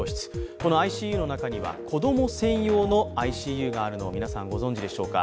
このＩＣＵの中には子供専用のＩＣＵがあるのを皆さんご存じでしょうか。